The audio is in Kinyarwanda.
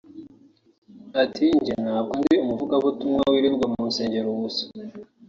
Ati “Njye ntabwo ndi umuvugabutumwa wirirwa mu nsengero gusa